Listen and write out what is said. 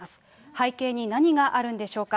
背景に何があるんでしょうか。